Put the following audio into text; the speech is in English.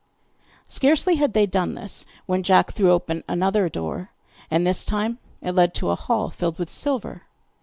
Scarcely had they done this when Jack threw open another door, and this time it led to a hall filled with silver.